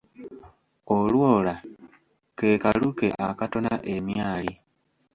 Olwola ke kaluke akatona emyali.